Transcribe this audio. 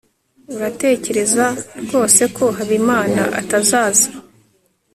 uratekereza rwose ko habimana atazaza